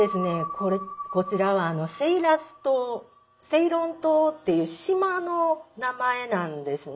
これこちらはセイラス島セイロン島っていう島の名前なんですね。